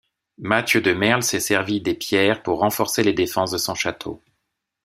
Mathieu de Merle s'est servi des pierres pour renforcer les défenses de son château.